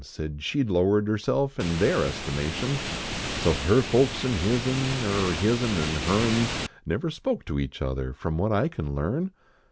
Said she d lowered herself in their estimation. So her folks an hiz n, Er hiz n an her n, Never spoke to each other From what I can learn.